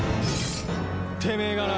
てめえがな！